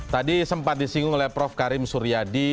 tadi sempat disinggung oleh prof karim suryadi